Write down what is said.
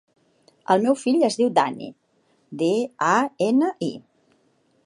El meu fill es diu Dani: de, a, ena, i.